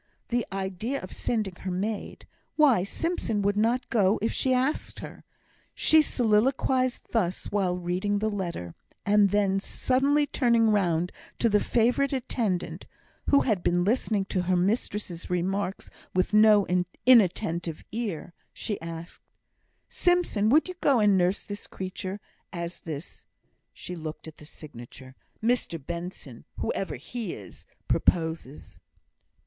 The idea of sending her maid! Why, Simpson would not go if she asked her. She soliloquised thus while reading the letter; and then, suddenly turning round to the favourite attendant, who had been listening to her mistress's remarks with no inattentive ear, she asked: "Simpson, would you go and nurse this creature, as this " she looked at the signature "Mr Benson, whoever he is, proposes?"